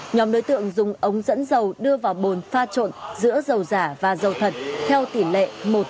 nhóm đối tượng dùng ống dẫn dầu đưa vào bồn pha trộn giữa dầu giả và dầu thật theo tỷ lệ một